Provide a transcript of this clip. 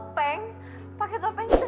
bisa berbicara sama sama